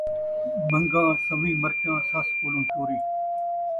من٘گاں سن٘ویں مرچاں ، سس کولوں چوری